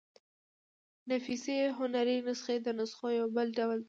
نفیسي هنري نسخې د نسخو يو بل ډول دﺉ.